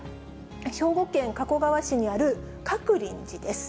兵庫県加古川市にある鶴林寺です。